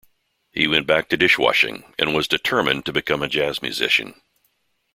He went back to dishwashing, and was determined to become a jazz musician.